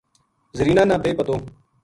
زرینا نا بے پَتو